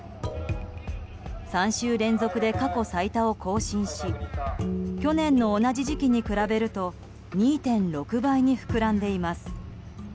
３週連続で過去最多を更新し去年の同じ時期に比べると２．６倍に膨らんでいます。